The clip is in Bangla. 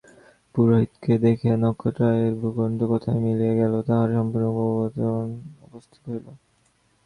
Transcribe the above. পুরোহিতকে দেখিয়াই নক্ষত্ররায়ের ভ্রূকুটি কোথায় মিলাইয়া গেল, তাঁহার সম্পূর্ণ ভাবান্তর উপস্থিত হইল।